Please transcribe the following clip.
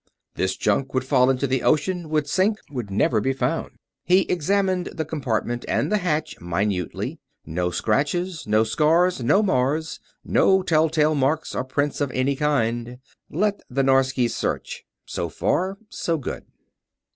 This junk would fall into the ocean; would sink; would never be found. He examined the compartment and the hatch minutely. No scratches, no scars, no mars; no tell tale marks or prints of any kind. Let the Norskies search. So far, so good.